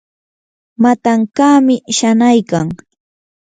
matankaami shanaykan.